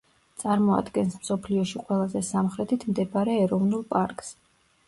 წარმოადგენს მსოფლიოში ყველაზე სამხრეთით მდებარე ეროვნულ პარკს.